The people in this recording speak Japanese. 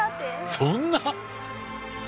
そんな？